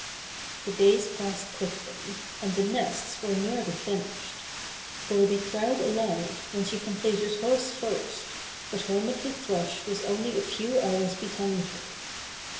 The days passed quickly, and the nests were nearly finished. Goldy crowed aloud when she completed hers first, but Hermit the Thrush was only a few hours behind her.